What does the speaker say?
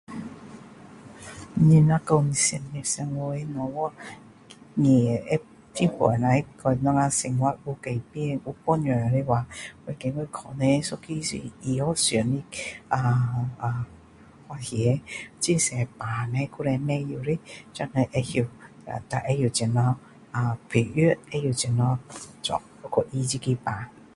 你若说什么技可以帮我们的生活有改变有帮助的话我觉得是医学上的发现以前不知道的病现在知道知道怎样配药知道怎样做去医这个病